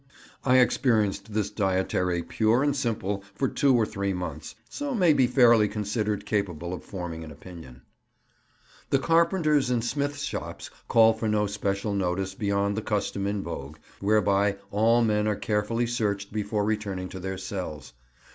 I experienced this dietary, pure and simple, for two or three months, so may be fairly considered capable of forming an opinion. The carpenters' and smiths' shops call for no special notice beyond the custom in vogue, whereby all men are carefully searched before returning to their cells.